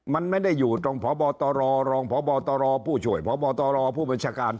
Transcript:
มันไม่ได้อยู่ตรงพบตรรองพบตรผู้ช่วยพบตรผู้บัญชาการ